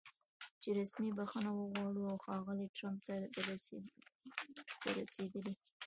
چې رسمي بښنه وغواړي او ښاغلي ټرمپ ته د رسېدلي